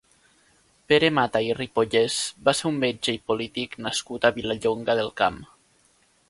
Pere Mata i Ripollès va ser un metge i polític nascut a Vilallonga del Camp.